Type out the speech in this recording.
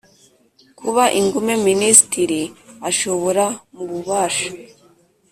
kuba ingume Minisitiri ashobora mu bubasha